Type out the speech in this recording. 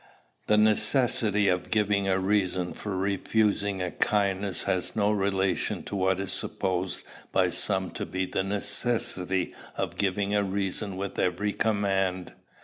The necessity of giving a reason for refusing a kindness has no relation to what is supposed by some to be the necessity of giving a reason with every command.